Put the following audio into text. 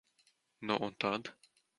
Nu un tad?